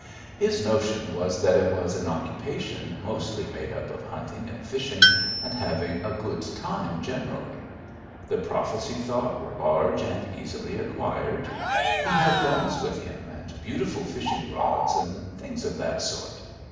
His notion was that it was an occupation mostly made up of hunting and fishing, and having a good time generally. The profits, he thought, were large and easily acquired. He had guns with him, and beautiful fishing rods, and things of that sort.